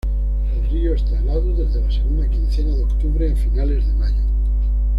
El río está helado desde la segunda quincena de octubre a finales de mayo.